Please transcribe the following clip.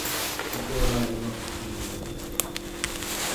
Kitô râā i ma kutu numbe mándjanga.